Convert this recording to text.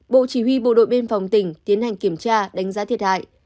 bộ chỉ huy bộ đội biên phòng tỉnh tiến hành kiểm tra đánh giá thiệt hại